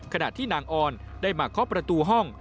ขณะที่นางออนได้มาเคาะประตูห้อง